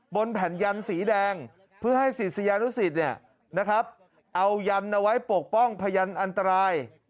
บนแผ่นยันสีแดงเพื่อให้ศิษยานุสิตเอายันเอาไว้ปกป้องพยันอันตราย